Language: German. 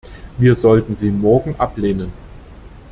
Wir sollten sie morgen ablehnen.